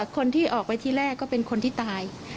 คนที่ออกไปที่แรกก็เป็นคนที่ตาย